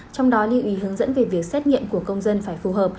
trong đó lưu ý hướng dẫn về việc xét nghiệm của công dân phải phù hợp